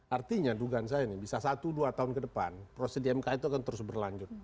artinya dugaan saya ini bisa satu dua tahun ke depan proses di mk itu akan terus berlanjut